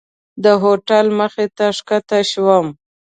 د هوټل مخې ته ښکته شوم.